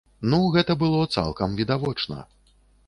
Ну, гэта было цалкам відавочна.